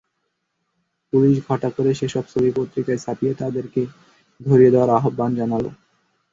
Police ঘটা করে সেসব ছবি পত্রিকায় ছাপিয়ে তাদের ধরিয়ে দেওয়ার আহ্বান জানাল।